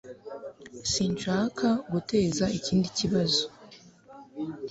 Sinshaka guteza ikindi kibazo